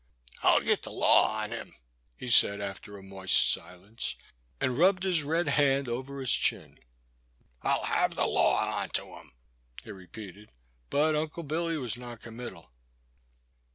I *11 git the law on him," he said after a moist silence, and rubbed his red hand over his chin. I *11 hev the law onto him, he repeated ; but Unde Billy was non committal.